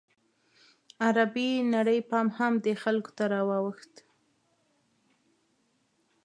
عربي نړۍ پام هم دې خلکو ته راواوښت.